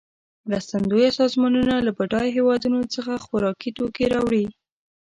مرستندویه سازمانونه له بډایه هېوادونو څخه خوارکي توکې راوړي.